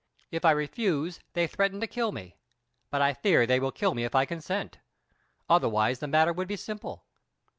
If I refuse they threaten to kill me; but I fear they will kill me if I consent. Otherwise the matter would be simple.